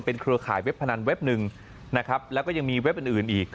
เป็นเครือข่ายเว็บพนันเว็บหนึ่งแล้วก็ยังมีเว็บอื่นอีก